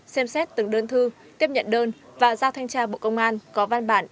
xem xét từng đơn thư tiếp nhận đơn và giao thanh tra bộ công an có văn bản